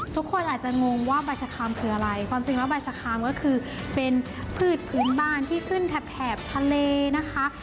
ทุกคนอาจจะงงว่าใบสะคามคืออะไรความจริงแล้วใบสะคามก็คือเป็นพืชพื้นบ้านที่ขึ้นแถบทะเลนะคะ